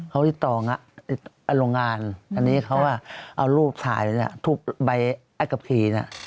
เขาต้องเอาลงงานสั่งรูปถ่ายรูปไปอัยกภีร์